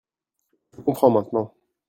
Je comprends maintenant.